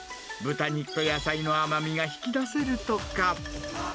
豚肉と野菜の甘みが引き出せるとか。